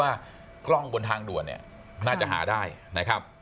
ว่ากล้องบนทางด่วนเนี่ยน่าจะหาได้นะครับ